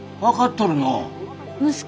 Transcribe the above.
分かっとるのう。